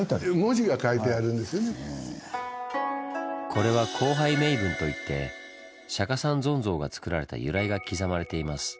これは「光背銘文」といって釈三尊像がつくられた由来が刻まれています。